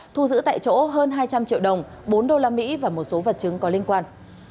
thu giữ tại chỗ hơn hai trăm linh triệu đồng bốn đô la mỹ và một số vật chứng có liên quan